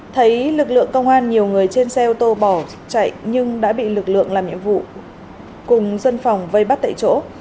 thấy lực lượng công an nhiều người trên xe ô tô bỏ chạy nhưng đã bị lực lượng làm nhiệm vụ cùng dân phòng vây bắt tại chỗ